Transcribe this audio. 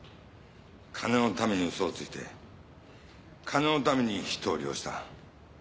金のためにウソをついて金のために人を利用した。